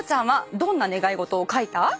どんな願い事を書いた？